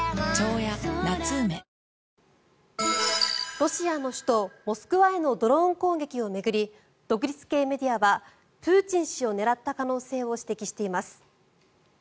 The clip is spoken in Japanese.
ロシアの首都モスクワへのドローン攻撃を巡り独立系メディアはプーチン氏を狙った可能性を指摘しています。